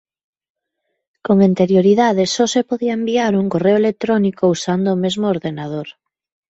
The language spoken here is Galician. Con anterioridade só se podía enviar un correo electrónico usando o mesmo ordenador.